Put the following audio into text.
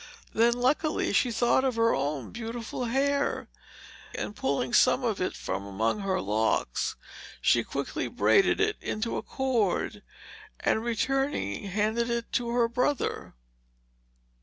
Then luckily she thought of her own beautiful hair, and pulling some of it from among her locks, she quickly braided it into a cord, and, returning, handed it to her brother.